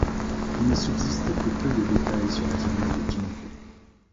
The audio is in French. Il ne subsiste que peu de détails sur la jeunesse de Ginkō.